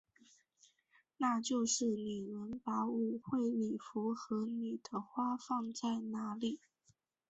那就是你能把舞会礼服和你的花放在哪里？